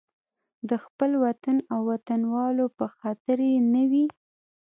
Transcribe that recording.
د خپل وطن او وطنوالو په خاطر یې نه وي.